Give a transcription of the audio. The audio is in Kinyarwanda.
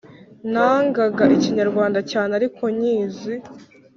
Nangaga ikinyarwanda cyane ariko nyizi